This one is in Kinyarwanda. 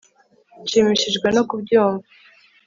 nshimishijwe no kubyumva